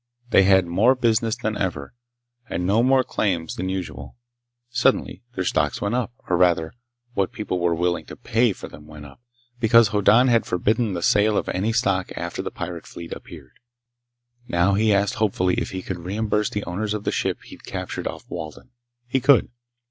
They had more business than ever, and no more claims than usual. Suddenly their stocks went up—or rather, what people were willing to pay for them went up, because Hoddan had forbidden the sale of any stock after the pirate fleet appeared. Now he asked hopefully if he could reimburse the owners of the ship he'd captured off Walden. He could.